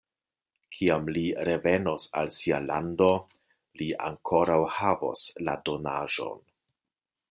Kiam li revenos al sia lando, li ankoraŭ havos la donaĵon.